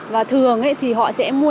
và thường thì họ đi làm và họ tích tiền lại